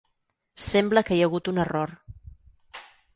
Sembla que hi hagut un error.